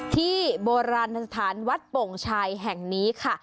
ที่โบราณสถานวัดโป่งชายแห่งนี้ค่ะ